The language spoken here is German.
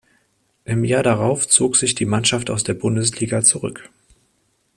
Im Jahr darauf zog sich die Mannschaft aus der Bundesliga zurück.